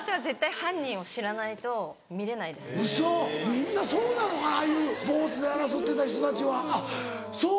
みんなそうなのかなああいうスポーツで争ってた人たちはあっそう？